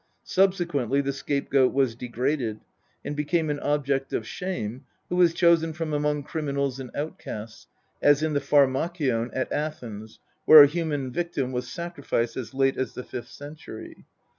Subsequently the scapegoat was degraded, and became an object of shame, who was chosen from among criminals and outcasts, as in the Pharmakion at Athens, where a human victim was sacrificed as late as the fifth century.